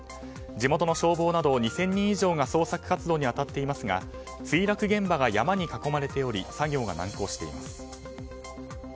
地元の消防など２０００人以上が捜索活動に当たっていますが墜落現場が山に囲まれており作業が難航しています。